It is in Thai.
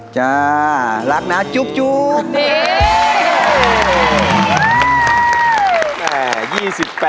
จ้ารักนะจุ๊บ